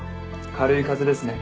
軽い風邪ですね。